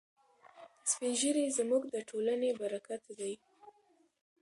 سپین ږیري زموږ د ټولنې برکت دی.